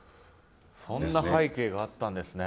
そんな背景があったんですね。